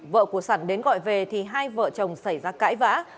vợ của sản đến gọi về thì hai vợ chồng xảy ra cãi vã